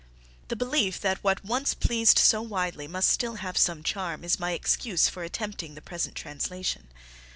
The belief that what once pleased so widely must still have some charm is my excuse for attempting the present translation.